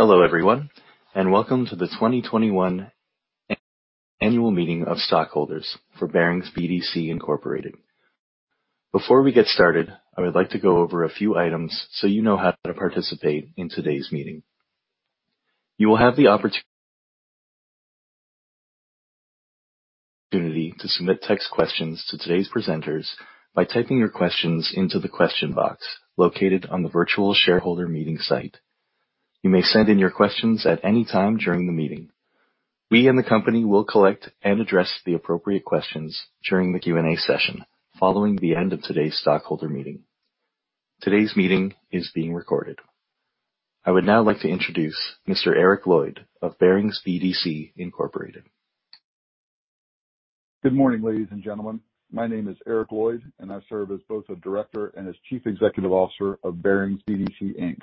Hello, everyone, and welcome to the 2021 Annual Meeting of Stockholders for Barings BDC, Incorporated. Before we get started, I would like to go over a few items so you know how to participate in today's meeting. You will have the opportunity to submit text questions to today's presenters by typing your questions into the question box located on the virtual shareholder meeting site. You may send in your questions at any time during the meeting. We and the company will collect and address the appropriate questions during the Q&A session following the end of today's stockholder meeting. Today's meeting is being recorded. I would now like to introduce Mr. Eric Lloyd of Barings BDC, Incorporated. Good morning, ladies and gentlemen. My name is Eric Lloyd, and I serve as both a Director and as Chief Executive Officer of Barings BDC, Inc.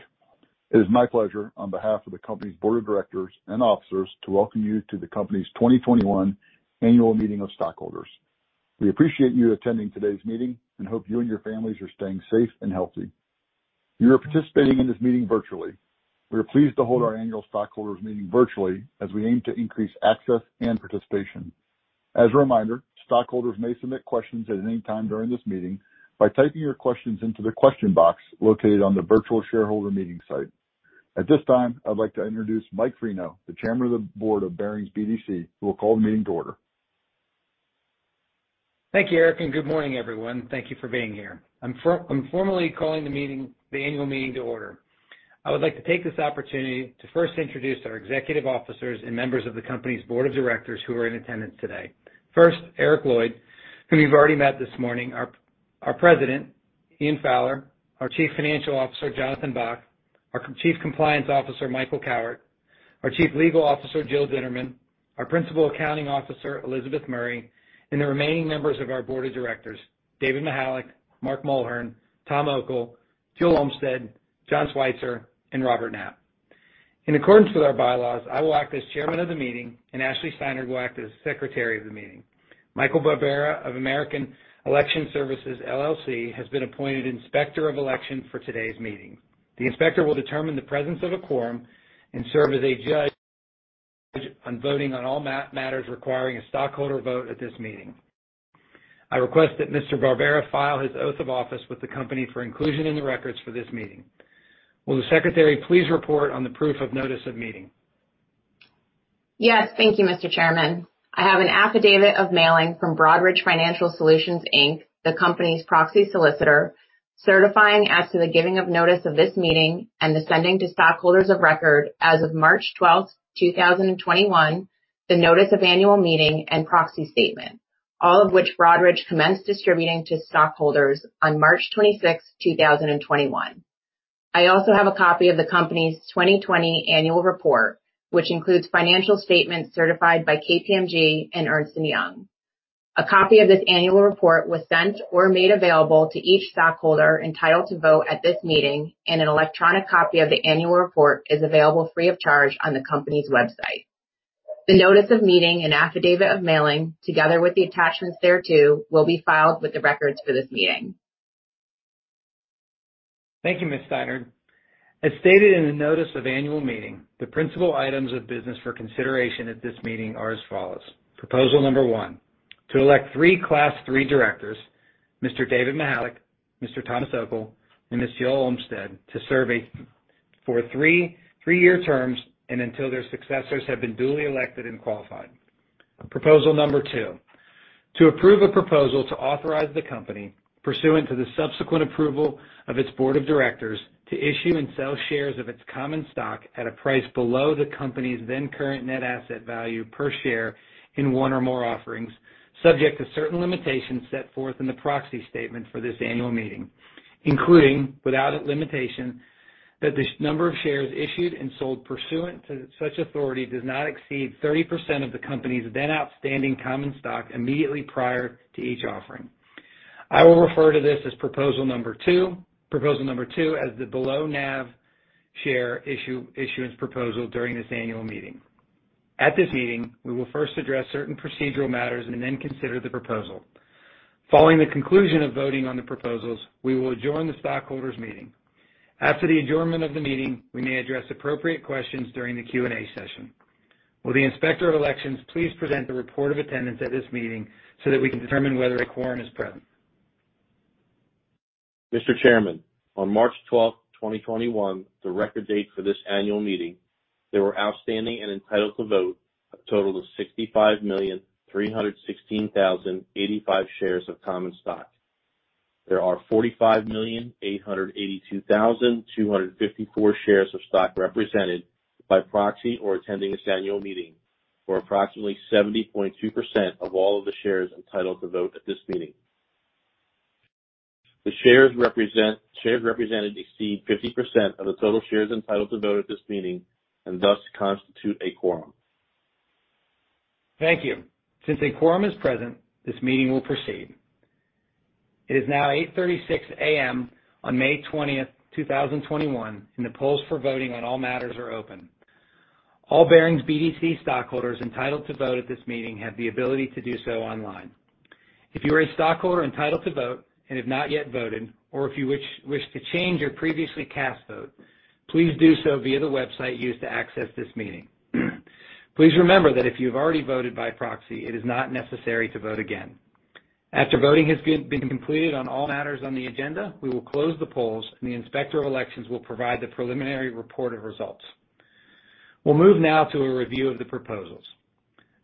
It is my pleasure, on behalf of the company's Board of Directors and officers, to welcome you to the company's 2021 Annual Meeting of Stockholders. We appreciate you attending today's meeting and hope you and your families are staying safe and healthy. You are participating in this meeting virtually. We are pleased to hold our Annual Stockholders Meeting virtually as we aim to increase access and participation. As a reminder, stockholders may submit questions at any time during this meeting by typing your questions into the question box located on the virtual shareholder meeting site. At this time, I'd like to introduce Mike Freno, the Chairman of the Board of Barings BDC, who will call the meeting to order. Thank you, Eric. Good morning, everyone. Thank you for being here. I'm formally calling the annual meeting to order. I would like to take this opportunity to first introduce our Executive Officers and members of the company's Board of Directors who are in attendance today. First, Eric Lloyd, whom you've already met this morning. Our President, Ian Fowler. Our Chief Financial Officer, Jonathan Bock. Our Chief Compliance Officer, Michael Cowart. Our Chief Legal Officer, Jill Dinerman. Our Principal Accounting Officer, Elizabeth Murray. The remaining members of our Board of Directors, David Mihalick, Mark Mulhern, Thomas W. Okel, Jill Olmstead, John Switzer, and Robert Knapp. In accordance with our bylaws, I will act as Chairman of the meeting, and Ashlee Steinnerd will act as Secretary of the meeting. Michael Barbera of American Election Services, LLC, has been appointed Inspector of Election for today's meeting. The inspector will determine the presence of a quorum and serve as a judge on voting on all matters requiring a stockholder vote at this meeting. I request that Mr. Barbera file his oath of office with the company for inclusion in the records for this meeting. Will the secretary please report on the proof of notice of meeting? Yes. Thank you, Mr. Chairman. I have an affidavit of mailing from Broadridge Financial Solutions, Inc., the company's proxy solicitor, certifying as to the giving of notice of this meeting and the sending to stockholders of record as of March 12th, 2021, the notice of annual meeting and proxy statement, all of which Broadridge commenced distributing to stockholders on March 26th, 2021. I also have a copy of the company's 2020 annual report, which includes financial statements certified by KPMG and Ernst & Young. A copy of this annual report was sent or made available to each stockholder entitled to vote at this meeting, and an electronic copy of the annual report is available free of charge on the company's website. The notice of meeting and affidavit of mailing, together with the attachments thereto, will be filed with the records for this meeting. Thank you, Ms. Steinnerd. As stated in the notice of annual meeting, the principal items of business for consideration at this meeting are as follows. Proposal number one, to elect three Class III directors, Mr. David Mihalick, Mr. Tom Okel, and Mr. Jill Olmstead, to serve for three three-year terms and until their successors have been duly elected and qualified. Proposal number two, to approve a proposal to authorize the company, pursuant to the subsequent approval of its board of directors, to issue and sell shares of its common stock at a price below the company's then-current net asset value per share in one or more offerings, subject to certain limitations set forth in the proxy statement for this annual meeting, including, without limitation, that the number of shares issued and sold pursuant to such authority does not exceed 30% of the company's then-outstanding common stock immediately prior to each offering. I will refer to this as proposal number two as the Below-NAV Share Issuance Proposal during this annual meeting. At this meeting, we will first address certain procedural matters and then consider the proposal. Following the conclusion of voting on the proposals, we will adjourn the stockholders meeting. After the adjournment of the meeting, we may address appropriate questions during the Q&A session. Will the Inspector of Election please present the report of attendance at this meeting so that we can determine whether a quorum is present? Mr. Chairman, on March 12th, 2021, the record date for this annual meeting, there were outstanding and entitled to vote a total of 65,316,085 shares of common stock. There are 45,882,254 shares of stock represented by proxy or attending this annual meeting, or approximately 70.2% of all of the shares entitled to vote at this meeting. The shares represented exceed 50% of the total shares entitled to vote at this meeting and thus constitute a quorum. Thank you. Since a quorum is present, this meeting will proceed. It is now 8:36 A.M. on May 20th, 2021, and the polls for voting on all matters are open. All Barings BDC stockholders entitled to vote at this meeting have the ability to do so online. If you are a stockholder entitled to vote and have not yet voted, or if you wish to change your previously cast vote, please do so via the website used to access this meeting. Please remember that if you've already voted by proxy, it is not necessary to vote again. After voting has been completed on all matters on the agenda, we will close the polls and the Inspector of Elections will provide the preliminary report of results. We'll move now to a review of the proposals.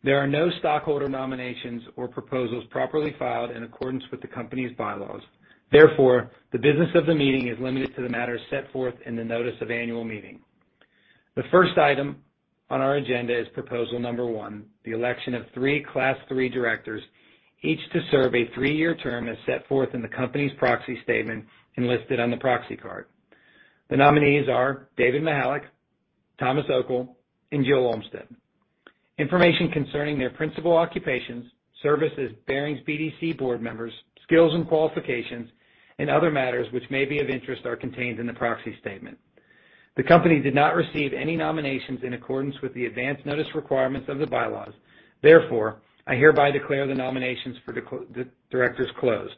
There are no stockholder nominations or proposals properly filed in accordance with the company's bylaws. Therefore, the business of the meeting is limited to the matters set forth in the notice of annual meeting. The first item on our agenda is Proposal Number one, the election of three Class III directors, each to serve a three-year term as set forth in the company's proxy statement and listed on the proxy card. The nominees are David Mihalick, Thomas W. Okel, and Jill Olmstead. Information concerning their principal occupations, service as Barings BDC board members, skills and qualifications, and other matters which may be of interest are contained in the proxy statement. The company did not receive any nominations in accordance with the advance notice requirements of the bylaws. Therefore, I hereby declare the nominations for directors closed.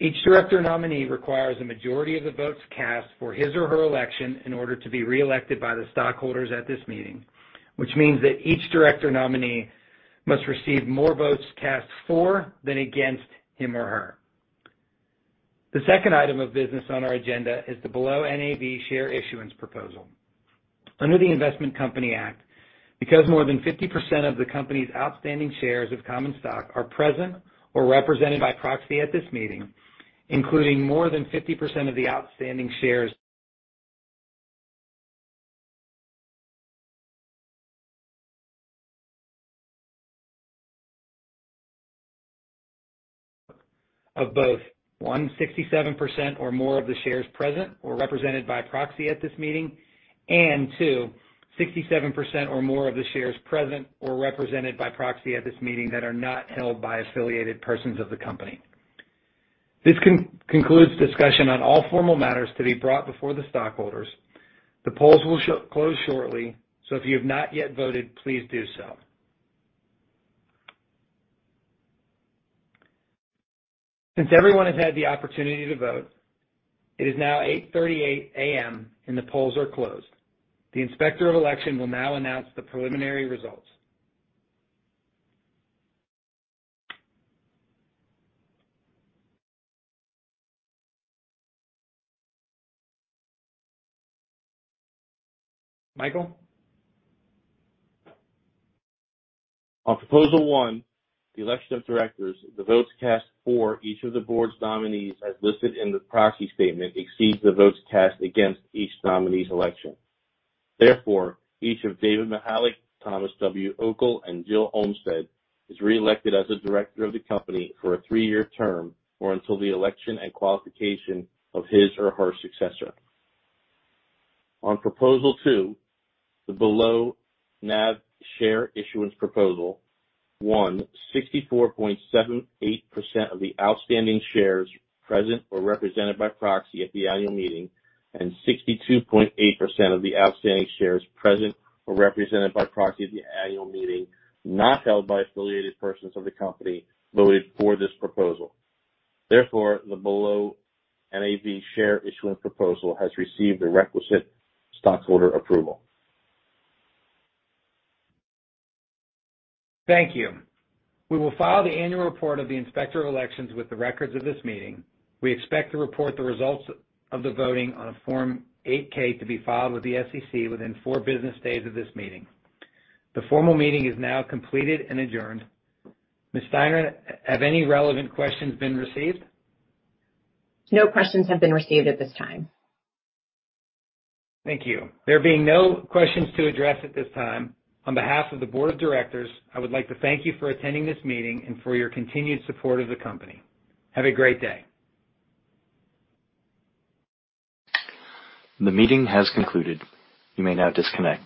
Each director nominee requires a majority of the votes cast for his or her election in order to be re-elected by the stockholders at this meeting, which means that each director nominee must receive more votes cast for than against him or her. The second item of business on our agenda is the Below-NAV Share Issuance Proposal. Under the Investment Company Act, because more than 50% of the company's outstanding shares of common stock are present or represented by proxy at this meeting, including more than 50% of the outstanding shares of both, one, 67% or more of the shares present or represented by proxy at this meeting, and two, 67% or more of the shares present or represented by proxy at this meeting that are not held by affiliated persons of the company. This concludes discussion on all formal matters to be brought before the stockholders. The polls will close shortly, so if you have not yet voted, please do so. Since everyone has had the opportunity to vote, it is now 8:38 A.M. and the polls are closed. The Inspector of Election will now announce the preliminary results. Michael? On Proposal one, the election of directors, the votes cast for each of the board's nominees as listed in the proxy statement exceeds the votes cast against each nominee's election. Therefore, each of David Mihalick, Thomas W. Okel, and Jill Olmstead is re-elected as a director of the company for a three-year term or until the election and qualification of his or her successor. On Proposal two, the Below-NAV Share Issuance Proposal, 164.78% of the outstanding shares present or represented by proxy at the annual meeting and 62.8% of the outstanding shares present or represented by proxy at the annual meeting not held by affiliated persons of the company voted for this proposal. Therefore, the Below-NAV Share Issuance Proposal has received the requisite stockholder approval. Thank you. We will file the annual report of the Inspector of Elections with the records of this meeting. We expect to report the results of the voting on Form 8-K to be filed with the SEC within four business days of this meeting. The formal meeting is now completed and adjourned. Ms. Steinnerd, have any relevant questions been received? No questions have been received at this time. Thank you. There being no questions to address at this time, on behalf of the board of directors, I would like to thank you for attending this meeting and for your continued support of the company. Have a great day. The meeting has concluded. You may now disconnect.